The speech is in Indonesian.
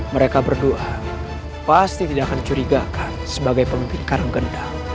mereka berdua pasti tidak akan curigakan sebagai pemimpin karanggendang